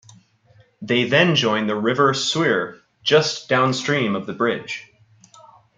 They then join the River Suir just downstream of the bridge.